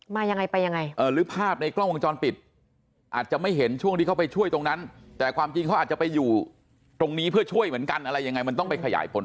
มายังไงไปยังไง